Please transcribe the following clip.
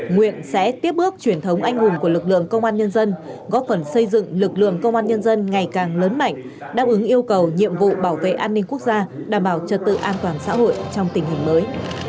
nguyện sẽ tiếp bước truyền thống anh hùng của lực lượng công an nhân dân góp phần xây dựng lực lượng công an nhân dân ngày càng lớn mạnh đáp ứng yêu cầu nhiệm vụ bảo vệ an ninh quốc gia đảm bảo trật tự an toàn xã hội trong tình hình mới